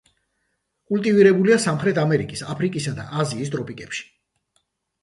კულტივირებულია სამხრეთ ამერიკის, აფრიკისა და აზიის ტროპიკებში.